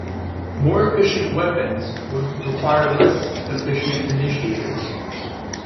More efficient weapons would require less efficient initiators.